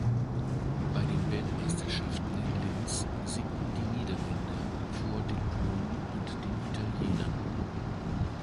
Bei den Weltmeisterschaften in Linz siegten die Niederländer vor den Polen und den Italienern.